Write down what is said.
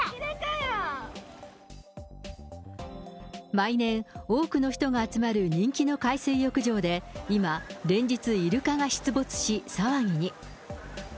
毎年、多くの人が集まる人気の海水浴場で今、連日イルカが出没し、騒ぎに。